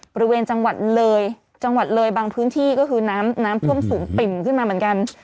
บริเวณจังหวัดเลยจังหวัดเลยบางพื้นที่ก็คือน้ำน้ำท่วมสูงปิ่มขึ้นมาเหมือนกัน